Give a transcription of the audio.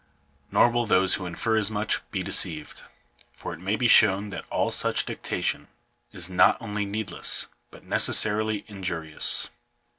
Nor will those who infer as much be deceived ; for it may be shown that all such dictation is not only needless, but necessarily injurious.